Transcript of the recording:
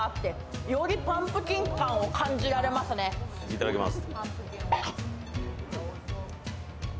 いただきます。